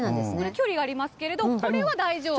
距離がありますけれど、これは大丈夫と。